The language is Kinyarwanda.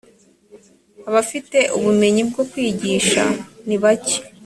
abafite ubumenyi bwo kwigisha ni bake